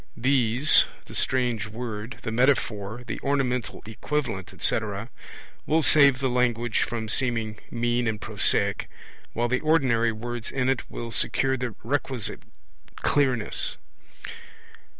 These, the strange word, the metaphor, the ornamental equivalent, etc.. will save the language from seeming mean and prosaic, while the ordinary words in it will secure the requisite clearness.